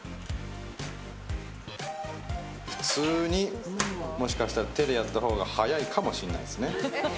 普通に、もしかしたら手でやったほうが早いかもしれないですね。